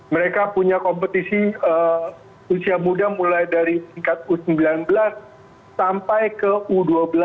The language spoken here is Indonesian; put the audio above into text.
mereka punya kompetisi usia muda mulai dari tingkat u sembilan belas sampai ke u dua belas